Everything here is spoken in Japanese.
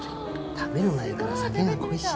食べる前から酒が恋しい。